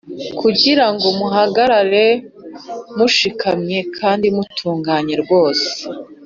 kugira ngo muhagarare mushikamye kandi mutunganye rwose